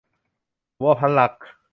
วัวพันหลัก